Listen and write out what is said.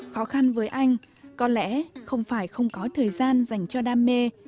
khó khăn với anh có lẽ không phải không có thời gian dành cho đam mê